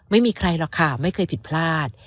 ไม่มีใครหรอกค่ะไม่เคยผิดพลาด